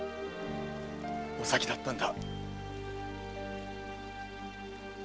お咲だったんだ！